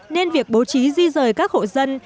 nên việc bố trí di rời các hộ dân